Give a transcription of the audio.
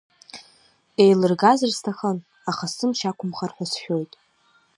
Еилыргазар сҭахын, аха сымч ақәымхар ҳәа сшәоит…